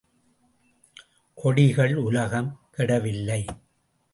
கொடிகள் உலகம் கெடவில்லை.